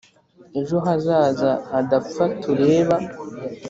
Ejo hazaza hadapfa tureba